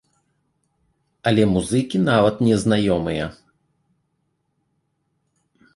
Але музыкі нават не знаёмыя!